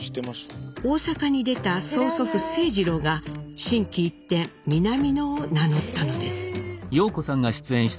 大阪に出た曽祖父清二郎が心機一転ミナミノを名乗ったのです。